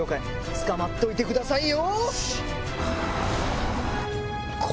つかまっといてくださいよ！